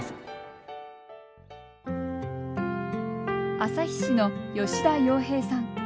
旭市の吉田陽平さん。